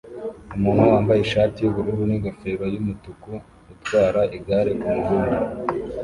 Umuntu wambaye ishati yubururu ningofero yumutuku utwara igare kumuhanda